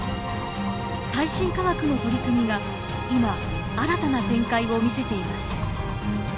最新科学の取り組みが今新たな展開を見せています。